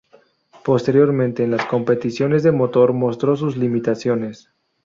Posteriormente en las competiciones de motor mostró sus limitaciones.